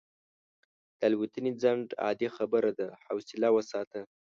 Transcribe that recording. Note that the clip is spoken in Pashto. د الوتنې ځنډ عادي خبره ده، حوصله وساته.